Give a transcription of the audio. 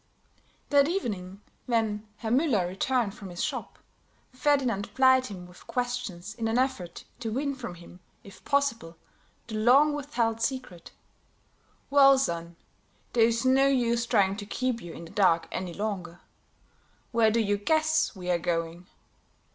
That evening, when Herr Müller returned from his shop, Ferdinand plied him with questions in an effort to win from him, if possible, the long withheld secret. "Well, son, there's no use trying to keep you in the dark any longer. Where do you guess we are going?"